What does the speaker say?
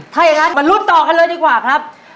ถ้าอย่างนั้นมาลุ้นต่อกันเลยดีกว่าครับ